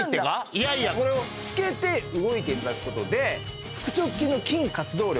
いやいやこれをつけて動いていただくことで腹直筋の筋活動量